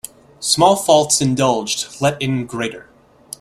Small faults indulged let in greater.